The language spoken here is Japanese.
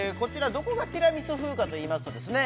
どこがティラミス風かといいますとですね